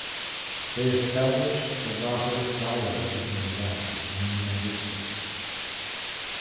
They established the daughter friary in Nevada in the United States.